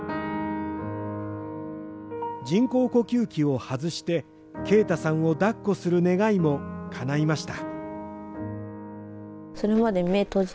人工呼吸器を外して慶太さんをだっこする願いもかないました。